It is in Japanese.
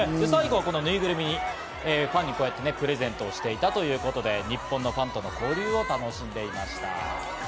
最後は、ぬいぐるみをファンにプレゼントしていたということで、日本のファンとの交流を楽しんでいました。